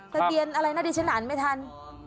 ทะเบียนอะไรนะดิฉันอ่านไม่ทัน